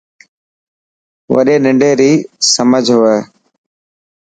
وڏي ننڊي ري سمجهه هوئي.